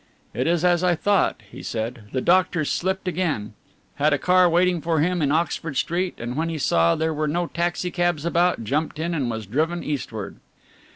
"It is as I thought," he said: "the doctor's slipped again. Had a car waiting for him in Oxford Street and when he saw there were no taxi cabs about, jumped in and was driven eastward."